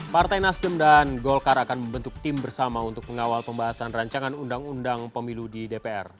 partai nasdem dan golkar akan membentuk tim bersama untuk mengawal pembahasan rancangan undang undang pemilu di dpr